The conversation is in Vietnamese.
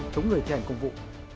chúng người thi hành công vụ